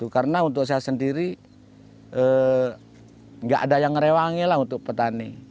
karena untuk saya sendiri gak ada yang ngerewangi lah untuk petani